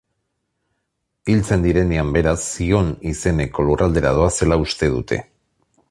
Hiltzen direnean, beraz, Zion izeneko lurraldera doazela uste dute.